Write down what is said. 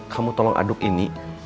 kamu tolong aduk ini